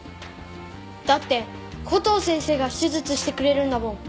だってコトー先生が手術してくれるんだもん。